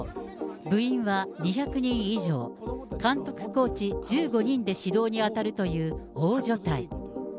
部員は２００人以上、監督・コーチ１５人で指導に当たるという大所帯。